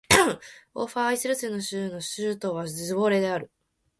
オーファーアイセル州の州都はズヴォレである